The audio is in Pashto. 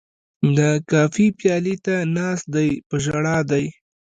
د کافي پیالې ته ناست دی په ژړا دی